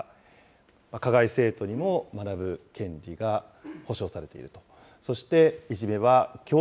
こちら、加害生徒にも学ぶ権利が保障されていると。